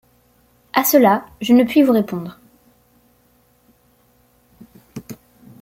À cela, je ne puis vous répondre.